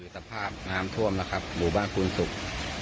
สภาพน้ำท่วมแล้วครับหมู่บ้านภูนศุกร์